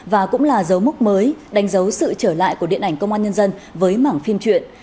và cũng là dấu mốc mới đánh dấu sự trở lại của điện ảnh công an nhân dân với mảng phim truyện